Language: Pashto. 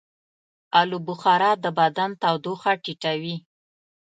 آلوبخارا د بدن تودوخه ټیټوي.